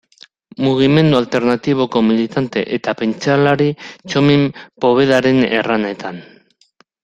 Mugimendu alternatiboko militante eta pentsalari Txomin Povedaren erranetan.